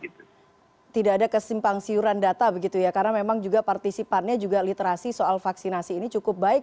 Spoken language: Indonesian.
tidak ada kesimpang siuran data begitu ya karena memang juga partisipannya juga literasi soal vaksinasi ini cukup baik